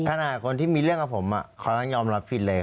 ขนาดคนที่มีเรื่องกับผมอ่ะเขายอมรับผิดเลย